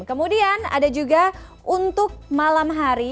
kemudian ada juga untuk malam hari